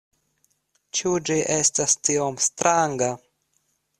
Ĉu ĝi estas tiom stranga?